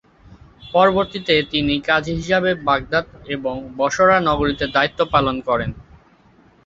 পরবর্তীতে তিনি কাজী হিসেবে বাগদাদ এবং বসরা নগরীতে দায়িত্ব পালন করেন।